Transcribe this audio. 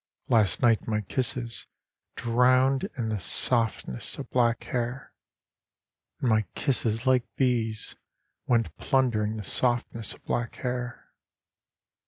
Last night my kisses drowned in the softness of black hair. And my kisses like bees went plundering the softness of black hair.